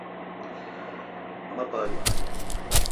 مہ پا یون۔